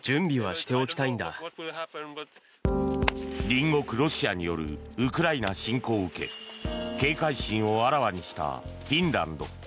隣国ロシアによるウクライナ侵攻を受け警戒心をあらわにしたフィンランド。